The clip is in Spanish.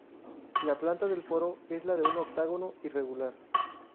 La planta del Foro es la de un octágono irregular.